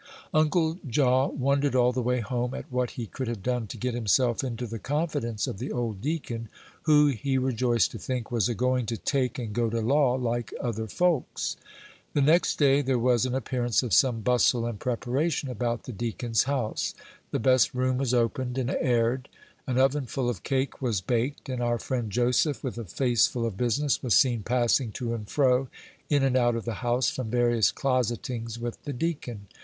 Uncle Jaw wondered all the way home at what he could have done to get himself into the confidence of the old deacon, who, he rejoiced to think, was a going to "take" and go to law like other folks. The next day there was an appearance of some bustle and preparation about the deacon's house; the best room was opened and aired; an ovenful of cake was baked; and our friend Joseph, with a face full of business, was seen passing to and fro, in and out of the house, from various closetings with the deacon.